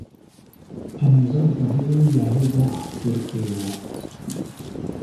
Ɛnɛ zɔ́k gba dé bé yí-a hégɔ́ ker-ker wo.